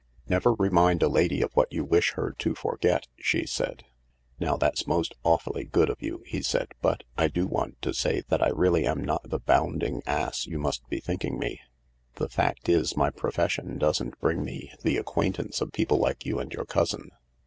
" Never remind a lady of what you wish her to forget," she said. " Now that's most awfully good of you," he said. " But I do want to say that I really am not the bounding ass you must be thinking me. The fact is, my profession doesn't bring me the acquaintance of people like you and your cousin.